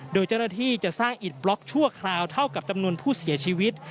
โดยเจ้าหน้าที่จะสร้างอิดบล็อกชั่วคราวเท่ากับจำนวนผู้เสียชีวิต